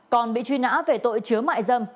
còn bị truy nã về tội chứa mại dâm